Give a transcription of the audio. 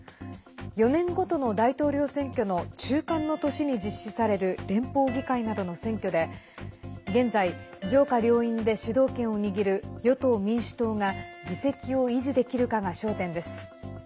４年ごとの大統領選挙の中間の年に実施される連邦議会などの選挙で現在、上下両院で主導権を握る与党・民主党が議席を維持できるかが焦点です。